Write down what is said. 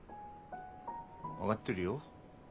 分がってるよ。